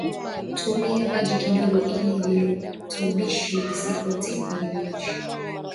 Tumia maji kidogo ili virutubishi visipotee kwenye maji